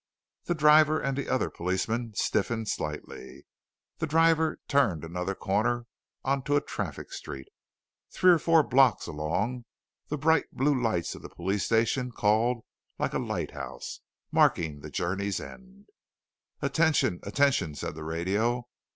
The driver and the other policeman stiffened slightly. The driver turned another corner onto a traffic street. Three or four blocks along, the bright blue lights of the police station called like a lighthouse, marking the Journey's End. "Attention! Attention!" said the radio.